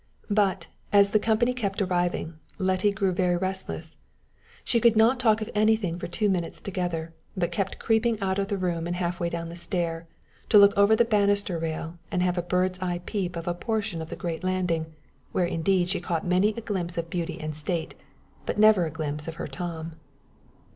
But, as the company kept arriving, Letty grew very restless. She could not talk of anything for two minutes together, but kept creeping out of the room and half way down the stair, to look over the banister rail, and have a bird's eye peep of a portion of the great landing, where indeed she caught many a glimpse of beauty and state, but never a glimpse of her Tom.